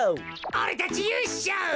おれたちゆうしょう！